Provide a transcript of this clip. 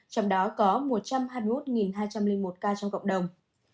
trong đó có một trăm hai mươi một hai trăm linh một ca trong cộng đồng